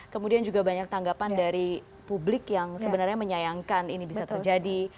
kemudian juga banyak tanggapan dari publik yang sebenarnya menyayangkan ini bisa terjadi